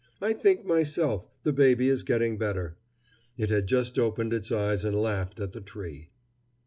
I think myself the baby is getting better." It had just opened its eyes and laughed at the tree.